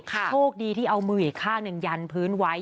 โชคดีที่เอามืออีกข้างหนึ่งยันพื้นไว้